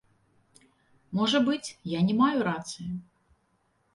Можа быць, я не маю рацыі.